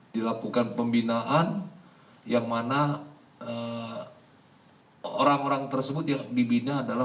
dilakukan pembinaan yang mana orang orang tersebut yang dibina adalah